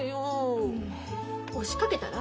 押しかけたら？